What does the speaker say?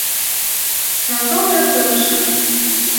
Ялҡау ятып ашар.